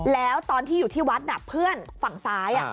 แล้วตอนที่อยู่ที่วัดเพื่อนฝั่งซ้าย